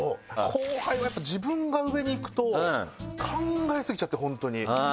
後輩はやっぱ自分が上にいくと考えすぎちゃって本当に。